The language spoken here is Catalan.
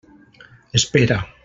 Espera.